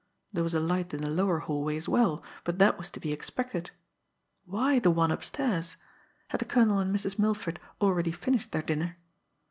There was a light in the lower hallway as well, but that was to be expected. Why the one upstairs? Had the Colonel and Mrs. Milford already finished their dinner?